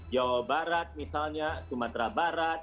jawa barat misalnya sumatera barat